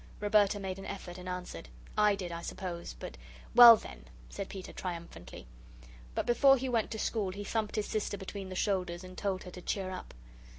Roberta made an effort, and answered: "I did, I suppose, but " "Well, then," said Peter, triumphantly. But before he went to school he thumped his sister between the shoulders and told her to cheer up.